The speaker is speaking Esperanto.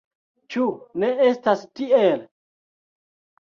Ĉu ne estas tiel?